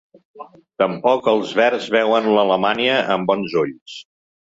Tampoc els verds veuen l’alemanya amb bons ulls.